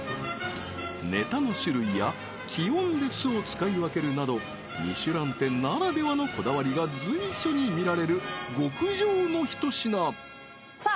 ネタの種類や気温で酢を使い分けるなどミシュラン店ならではのこだわりが随所にみられる極上のひと品さあ